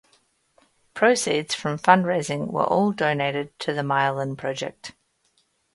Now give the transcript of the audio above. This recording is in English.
Proceeds from fund-raising were all donated to the Myelin Project.